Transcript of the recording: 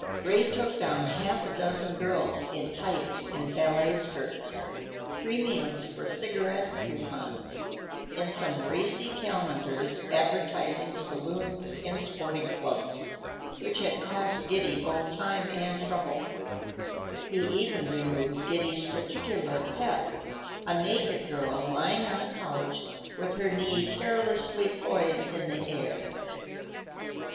Ray took down half a dozen girls in tights and ballet skirts,—premiums for cigarette coupons,—and some racy calendars advertising saloons and sporting clubs, which had cost Giddy both time and trouble; he even removed Giddy's particular pet, a naked girl lying on a couch with her knee carelessly poised in the air.